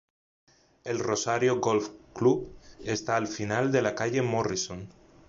El Rosario Golf Club está al final de la calle Morrison.